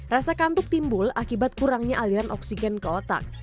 rasa kantuk timbul akibat kurangnya aliran oksigen ke otak